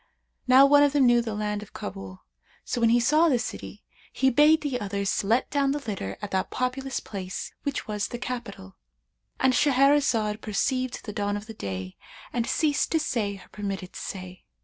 Now one of them knew the land of Kabul; so when he saw the city, he bade the others let down the litter at that populous place which was the capital."—And Shahrazad perceived the dawn of day and ceased to say her permitted say.